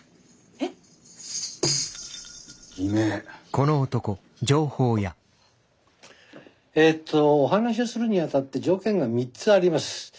ええとお話しするにあたって条件が３つあります。